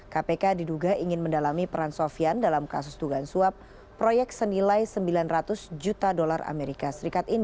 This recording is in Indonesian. kpk diduga ingin mendalami peran sofian dalam kasus dugaan suap proyek senilai sembilan ratus juta dolar as